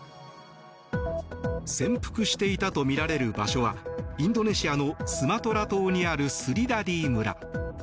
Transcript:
潜伏していたとみられる場所はインドネシアのスマトラ島にあるスリダディ村。